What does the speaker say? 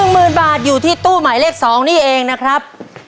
หมื่นบาทอยู่ที่ตู้หมายเลข๒นี่เองนะครับ